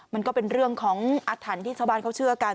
มันก็เป็นเรื่องของอาถรรพ์ที่ชาวบ้านเขาเชื่อกัน